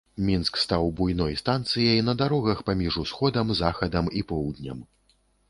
Мінск стаў буйной станцыяй на дарогах паміж усходам, захадам і поўднем.